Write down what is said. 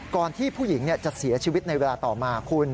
ที่ผู้หญิงจะเสียชีวิตในเวลาต่อมาคุณ